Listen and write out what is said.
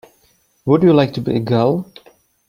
Would you like to be a gull?